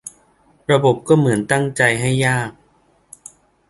ระบบก็เหมือนตั้งใจให้ยาก